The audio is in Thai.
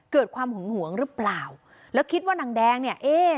ความหึงหวงหรือเปล่าแล้วคิดว่านางแดงเนี่ยเอ๊ะ